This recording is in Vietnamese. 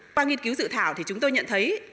qua nghiên cứu dự thảo thì chúng tôi nhận thấy